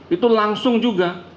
itu langsung juga